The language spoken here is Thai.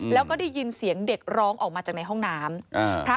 แล้วก็ได้ยินเสียงเด็กร้องออกมาจากในห้องน้ำ